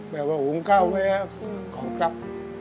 แบบว่าวงเก้าไว้ของครับ